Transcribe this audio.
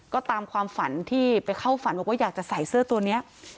ก็ตามความฝันที่ไปเข้าฝันบอกว่าอยากจะใส่เสื้อตัวนี้